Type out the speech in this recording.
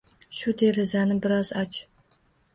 Shu derazani biroz och